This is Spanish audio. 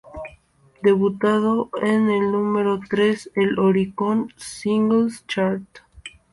Debutando en el número tres el Oricon singles Chart.